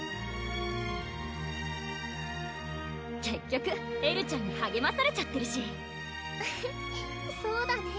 結局エルちゃんにはげまされちゃってるしフフそうだね